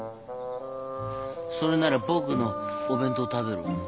それなら僕のお弁当食べる？